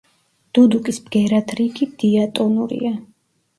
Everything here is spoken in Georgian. დუდუკის ბგერათრიგი დიატონურია.